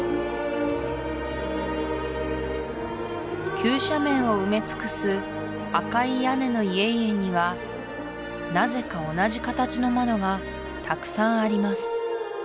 急斜面を埋め尽くす赤い屋根の家々にはなぜか同じ形の窓がたくさんあります